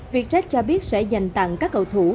vietjet cho biết sẽ dành tặng các cầu thủ